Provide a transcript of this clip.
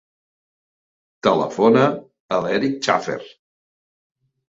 Telefona a l'Eric Chafer.